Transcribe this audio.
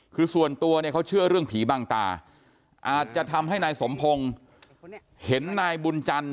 คือส่วนตัวเนี่ยเขาเชื่อเรื่องผีบางตาอาจจะทำให้นายสมพงศ์เห็นนายบุญจันท